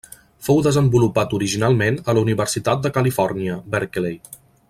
Fou desenvolupat originalment a la Universitat de Califòrnia, Berkeley.